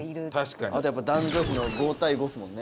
あとやっぱ男女比の５対５ですもんね。